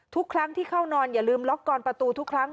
ทุกครั้งที่เข้านอนอย่าลืมล็อกกอนประตูทุกครั้ง